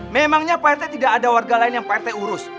memangnya pak rt tidak ada warga lain yang pak rt urus